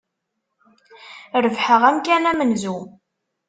Rebḥeɣ amkan amenzu.